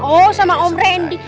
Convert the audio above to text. oh sama om randy